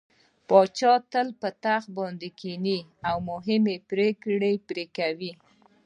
پاچا تل په تخت باندې کيني او مهمې پرېکړې پرې کوي.